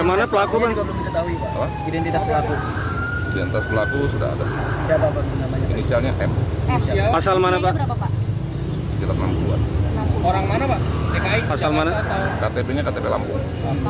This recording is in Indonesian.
motif sudah diketahui pak motif penembakan